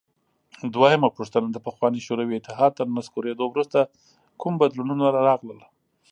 دویمه پوښتنه: د پخواني شوروي اتحاد تر نسکورېدو وروسته کوم بدلونونه راغلل؟